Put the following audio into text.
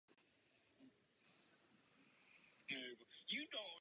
Závod v Brazílii po kolizi nedokončil a v Abú Zabí skončil na patnáctém místě.